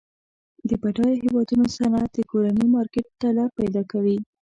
د بډایه هیوادونو صنعت د کورني مارکیټ ته لار پیداکوي.